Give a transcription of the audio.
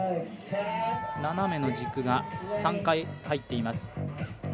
斜めの軸が３回入っています。